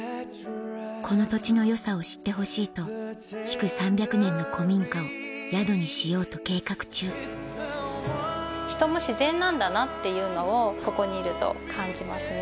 この土地の良さを知ってほしいと築３００年の古民家を宿にしようと計画中人も自然なんだなっていうのをここにいると感じますね。